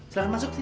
silahkan masuk sih